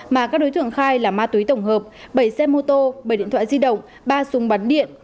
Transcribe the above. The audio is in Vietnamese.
mà các đối tượng khai là ma túy tổng hợp bảy xe mô tô bảy điện thoại di động ba súng bắn điện